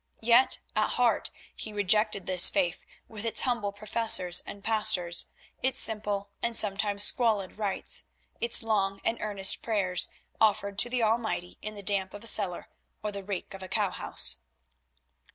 Yet, at heart, he rejected this faith with its humble professors and pastors, its simple, and sometimes squalid rites; its long and earnest prayers offered to the Almighty in the damp of a cellar or the reek of a cowhouse.